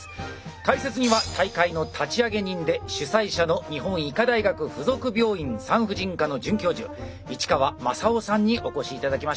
解説には大会の立ち上げ人で主催者の日本医科大学付属病院産婦人科の准教授市川雅男さんにお越し頂きました。